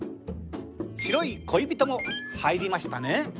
白い恋人も入りましたね。